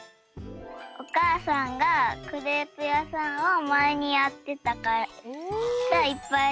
おかあさんがクレープやさんをまえにやってたからいっぱいやいてくれる。